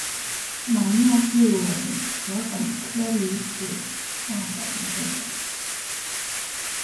南亚稷为禾本科黍属下的一个种。